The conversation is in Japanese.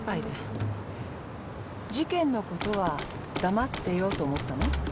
事件のことは黙ってようと思ったの？